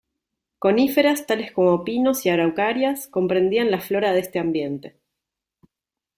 Coníferas tales como pinos y araucarias comprendían la flora de este ambiente.